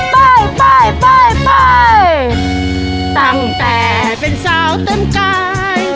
ไปไปตั้งแต่เป็นสาวเต็มกาย